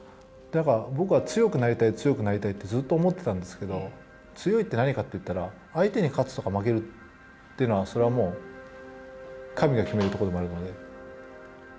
だから、僕は強くなりたい強くなりたいってずっと思ってたんですけど強いって何かって言ったら相手に勝つとか負けるってのはそれはもう神が決めるところでもあるので。